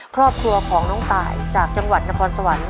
ครอบครัวของน้องตายจากจังหวัดนครสวรรค์